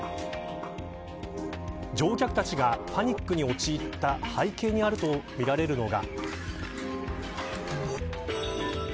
乗客たちがパニックに陥った背景にあるとみられるのが。